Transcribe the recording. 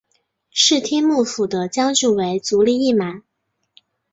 室町幕府的将军为足利义满。